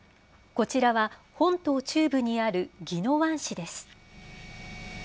こちらは、本島中部にある宜野湾市です。